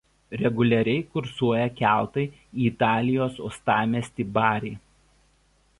Reguliariai kursuoja keltai į Italijos uostamiestį Barį.